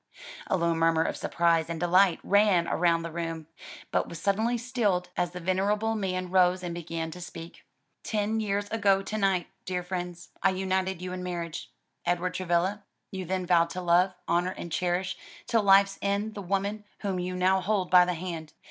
A low murmur of surprise and delight ran round the room, but was suddenly stilled, as the venerable man rose and began to speak. "Ten years ago to night, dear friends, I united you in marriage. Edward Travilla, you then vowed to love, honor and cherish till life's end the woman whom you now hold by the hand.